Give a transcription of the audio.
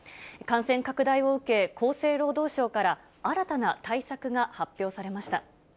感染拡大を受け、厚生労働省から新たな対策が発表されました。